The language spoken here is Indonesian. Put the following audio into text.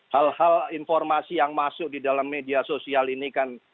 hal hal informasi yang masuk di dalam media sosial ini kan